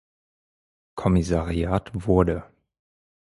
Kommissariat wurde.